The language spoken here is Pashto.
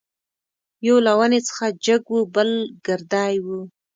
یو له ونې څخه جګ وو بل ګردی وو.